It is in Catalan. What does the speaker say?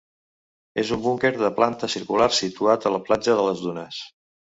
És un búnquer de planta circular situat a la platja de les Dunes.